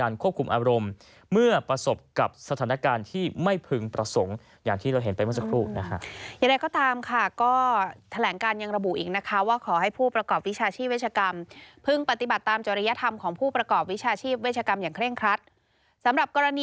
เรื่องศึกภูมินะครับ